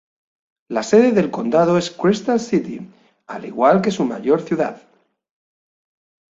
La sede del condado es Crystal City, al igual que su mayor ciudad.